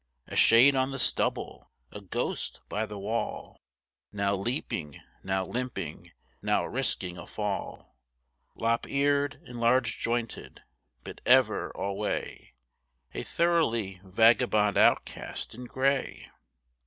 A shade on the stubble, a ghost by the wall, Now leaping, now limping, now risking a fall, Lop eared and large jointed, but ever alway A thoroughly vagabond outcast in gray.